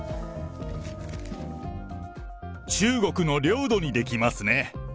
中国の領土にできますね。